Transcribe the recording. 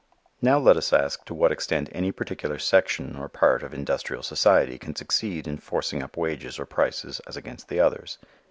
Now let us ask to what extent any particular section or part of industrial society can succeed in forcing up wages or prices as against the others.